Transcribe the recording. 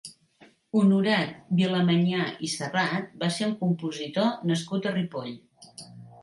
Honorat Vilamanyà i Serrat va ser un compositor nascut a Ripoll.